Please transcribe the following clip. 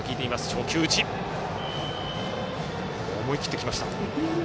初球から思い切ってきました。